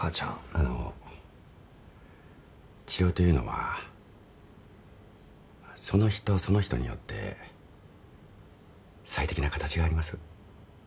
あの治療というのはその人その人によって最適な形があります。